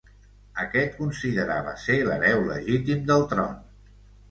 Aquest considerava ser l'hereu legítim del tron.